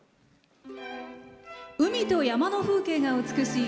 海と山の風景が美しい